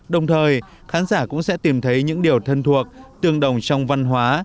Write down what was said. đồng thời khán giả cũng sẽ tìm thấy những điều thân thuộc tương đồng trong văn hóa